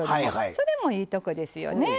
それもいいとこですよね。